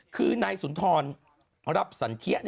คือนายสุนทรรพรรดิสันเทียน